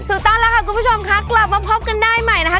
ถูกต้องแล้วค่ะคุณผู้ชมค่ะกลับมาพบกันได้ใหม่นะคะ